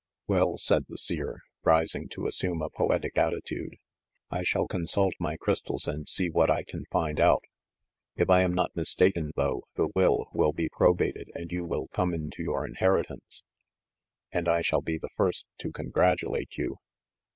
"Well," said the Seer, rising to assume a poetic atti tude, "I shall consult my crystals and see what I can find out. If I am not mistaken, though, the will will be probated and you will come into your inheritance. And I shall be the first to congratulate you